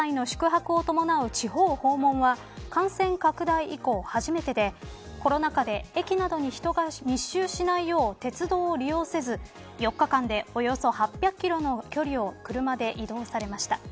ご夫妻の、宿泊を伴う地方訪問は感染拡大以降初めてでコロナ禍で駅などに人が密集しないよう鉄道を利用せず４日間でおよそ８００キロの距離を車で移動されました。